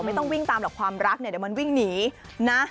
ไม่ต้องวิ่งตามหรอกความรักเนี่ยเดี๋ยวมันวิ่งหนีนะ